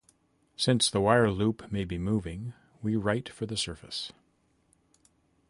Since the wire loop may be moving, we write for the surface.